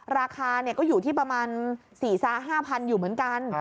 ราคาก็อยู่ที่ประมาณ๔๕๐๐๐อยู่เหมือนกัน